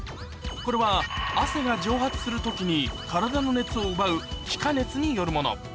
これは汗が蒸発する時に体の熱を奪う気化熱によるもの